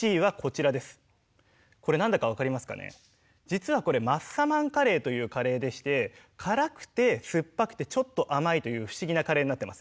実はこれマッサマンカレーというカレーでして辛くて酸っぱくてちょっと甘いという不思議なカレーになってます。